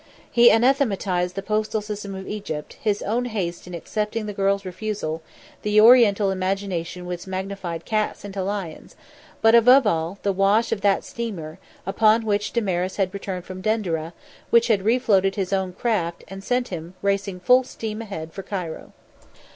He anathematised the postal system of Egypt; his own haste in accepting the girl's refusal; the oriental imagination which magnified cats into lions; but, above all, the wash of that steamer (upon which Damaris had returned from Denderah) which had re floated his own craft and sent him racing full steam ahead for Cairo.